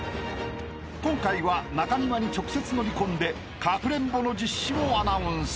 ［今回は中庭に直接乗り込んでかくれんぼの実施をアナウンス］